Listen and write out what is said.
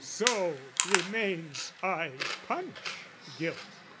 So, remains I punish guilt!